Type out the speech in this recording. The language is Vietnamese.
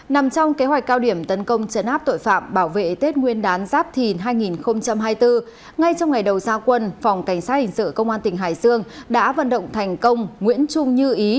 nằm trong kế hoạch cao điểm tấn công chấn áp tội phạm bảo vệ tết nguyên đán giáp thìn hai nghìn hai mươi bốn ngay trong ngày đầu gia quân phòng cảnh sát hình sự công an tỉnh hải dương đã vận động thành công nguyễn trung như ý